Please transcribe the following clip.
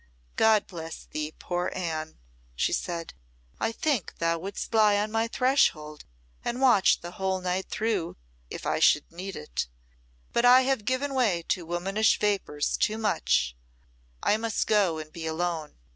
"God bless thee, poor Anne," she said. "I think thou wouldst lie on my threshold and watch the whole night through, if I should need it; but I have given way to womanish vapours too much I must go and be alone.